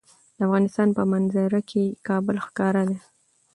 د افغانستان په منظره کې کابل ښکاره ده.